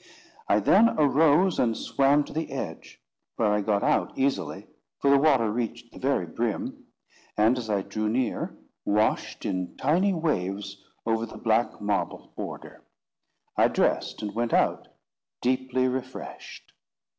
I then arose, and swam to the edge, where I got out easily, for the water reached the very brim, and, as I drew near washed in tiny waves over the black marble border. I dressed, and went out, deeply refreshed.